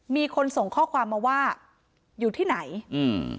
มีคนส่งข้อความมาว่าอยู่ที่ไหนอืม